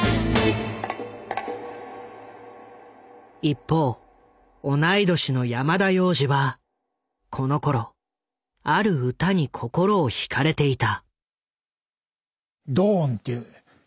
一方同い年の山田洋次はこのころある歌に心を引かれていた。